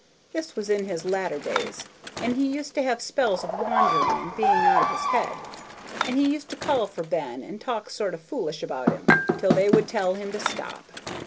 This was in his latter days, and he used to have spells of wandering and being out of his head; and he used to call for Ben and talk sort of foolish about him, till they would tell him to stop.